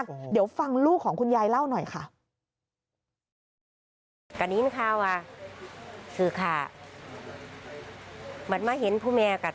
มีค่าขาดเหมือนกัน